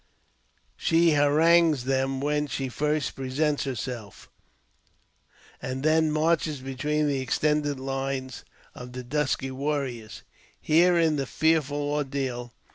She harangues them when she first presents herself, and then marches between the extended lines of the dusky warriors. Here is the fearful ordeal.